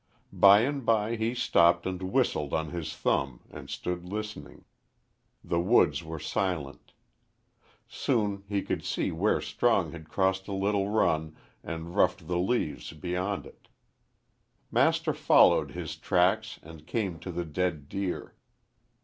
By and by he stopped and whistled on his thumb and stood listening. The woods were silent. Soon he could see where Strong had crossed a little run and roughed the leaves beyond it. Master followed his tracks and came to the dead deer.